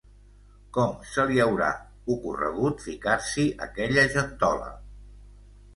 Com se li haurà ocorregut ficar-s’hi aquella gentola.